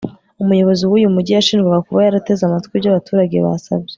Umuyobozi wuyu mujyi yashinjwaga kuba yarateze amatwi ibyo abaturage basabye